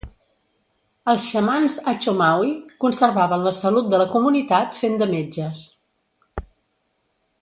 Els xamans achomawi conservaven la salut de la comunitat, fent de metges.